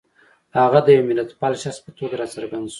هغه د یوه ملتپال شخص په توګه را څرګند شو.